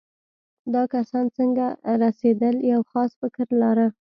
دا کسان څنګه رسېدل یو خاص فکر لاره.